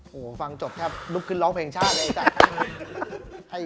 โหฟังจบครับลุกขึ้นร้องเพลงชาติเลย